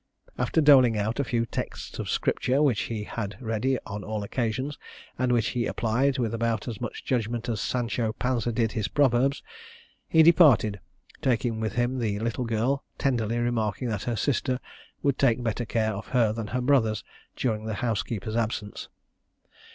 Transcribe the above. After doling out a few texts of Scripture, which he had ready on all occasions, and which he applied with about as much judgment as Sancho Panza did his proverbs, he departed, taking with him the little girl, tenderly remarking that her sister would take better care of her than her brothers, during the housekeeper's absence.